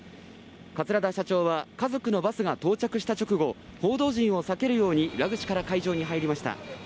桂田社長は家族のバスが到着した直後報道陣を避けるように裏口から会場に入りました。